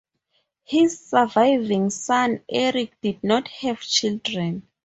His surviving son Erik did not have children.